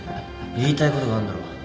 言いたいことがあんだろ。